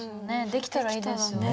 できたらいいですよね。